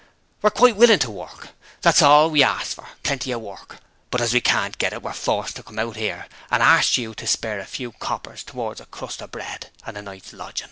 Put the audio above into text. We're quite willin' to work: that's hall we arst for Plenty of Work but as we can't get it we're forced to come out 'ere and arst you to spare a few coppers towards a crust of bread and a night's lodgin'.'